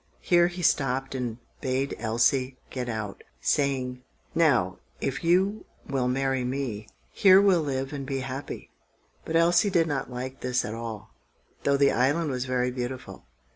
Here he stopped and bade Elsie get out, saying,— "Now, if you will marry me, Here we'll live and happy be." But Elsie did not like this at all, though the island was very beautiful.